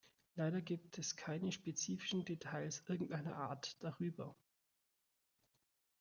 Leider gibt es keine spezifischen Details irgendeiner Art darüber.